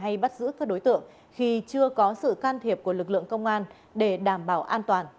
đừng có truy đuổi hay bắt giữ các đối tượng khi chưa có sự can thiệp của lực lượng công an để đảm bảo an toàn